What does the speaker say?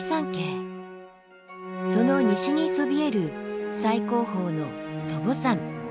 その西にそびえる最高峰の祖母山。